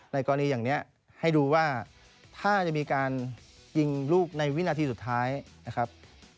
กรณีอย่างนี้ให้ดูว่าถ้าจะมีการยิงลูกในวินาทีสุดท้ายนะครับ